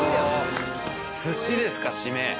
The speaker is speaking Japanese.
寿司ですか締め。